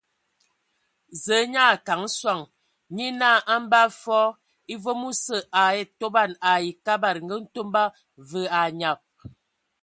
Zǝǝ nyaa a kana sɔŋ, nye naa a mbaa fɔɔ e vom osǝ a atoban ai Kabad ngǝ Ntomba, və anyab.